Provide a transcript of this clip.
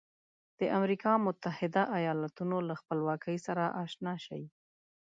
د امریکا متحده ایالتونو له خپلواکۍ سره آشنا شئ.